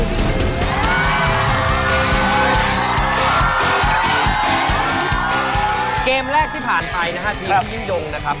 เกมแรกที่ผ่านไปนะฮะทีมพี่ยิ่งยงนะครับ